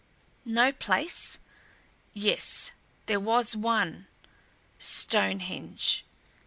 No place? Yes, there was one Stonehenge.